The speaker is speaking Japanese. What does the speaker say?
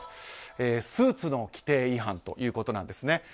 スーツの規定違反ということなんですね。